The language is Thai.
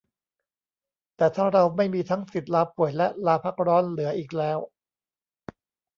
แต่ถ้าเราไม่มีทั้งสิทธิ์ลาป่วยและลาพักร้อนเหลืออีกแล้ว